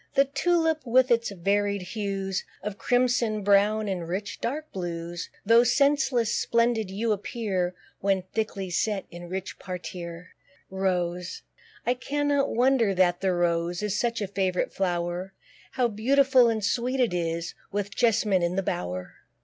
The Tulip, with its varied hues Of crimson, brown, and rich dark blues, (Tho' scentless,) splendid you appear, When thickly set in rich parterre. ROSE. I cannot wonder that the Rose Is such a favourite flower; How beautiful and sweet it is, With jess'mine in the bower.